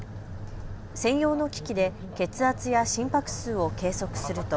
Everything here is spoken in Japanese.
専用の機器で血圧や心拍数を計測すると。